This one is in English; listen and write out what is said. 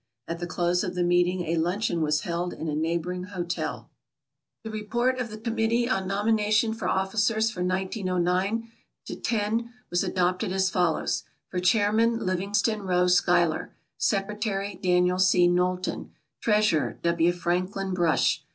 At the close of the meeting a luncheon was held in a neighboring hotel. The report of the committee on nomination for officers for 1909 10 was adopted as follows: For chairman, Livingston Rowe Schuyler; secretary, Daniel C. Knowlton; treasurer, W. Franklin Brush.